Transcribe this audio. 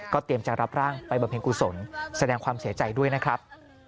เตรียมจะรับร่างไปบำเพ็ญกุศลแสดงความเสียใจด้วยนะครับ